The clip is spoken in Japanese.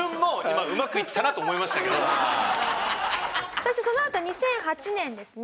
そしてそのあと２００８年ですね